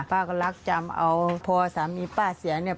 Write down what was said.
ป้าก็รักจำเอาพอสามีป้าเสียเนี่ย